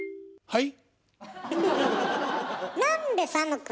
はい！